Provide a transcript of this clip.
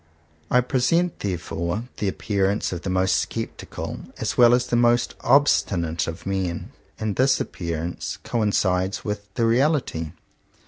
I present therefore the appearance of the most sceptical as well as the most obstinate of men. And this appearance coincides with the reality.